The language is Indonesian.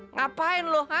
ngapain lu ha